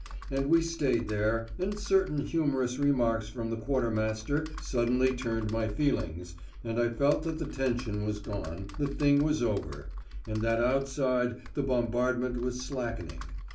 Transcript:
And we stayed there, and certain humorous remarks from the quartermaster suddenly turned my feelings, and I felt that the tension was gone, the thing was over; and that outside the bombardment was slackening.